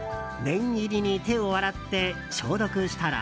念入りに手を洗って消毒したら。